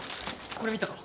これ見たか？